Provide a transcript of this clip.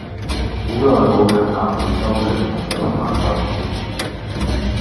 好耐無去鴨脷洲利民道探舅父